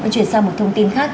chuyển sang một thông tin khác